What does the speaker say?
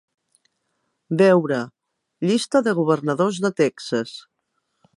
Veure: "Llista de governadors de Texas"